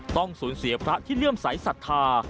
ต้องสูญเสียพระที่เลื่อมใสสัทธา